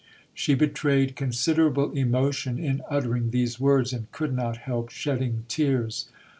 She betrayed considerable emotion in uttering these words, and could not help shedding tears.